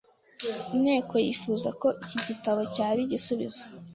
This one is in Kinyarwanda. Inteko yifuza ko iki gitabo cyaba igisubizo